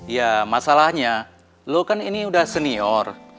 ya masalahnya lo kan ini udah senior